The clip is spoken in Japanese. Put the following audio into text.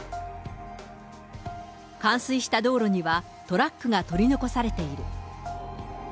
冠水した道路には、トラックが取り残されている。